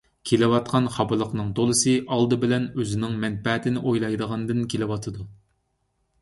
كېلىۋاتقان خاپىلىقنىڭ تولىسى ئالدى بىلەن ئۆزىنىڭ مەنپەئەتىنى ئويلىغاندىن كېلىۋاتىدۇ.